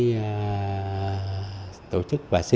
tổ chức và tổ chức những cây trái này